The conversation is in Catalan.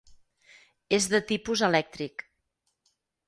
És de tipus elèctric.